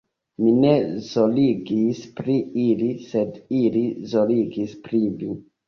Mi ne zorgis pri ili, sed ili zorgis pri mi.